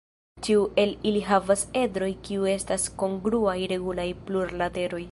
Ĉiu el ili havas edroj kiu estas kongruaj regulaj plurlateroj.